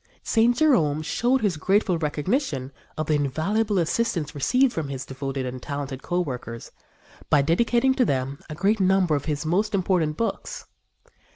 St. Jerome showed his grateful recognition of the invaluable assistance received from his devoted and talented co workers by dedicating to them a great number of his most important books.